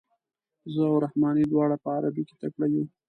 زه او رحماني دواړه په عربي کې تکړه یو.